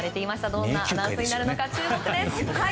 どんなアナウンスになるのか注目です。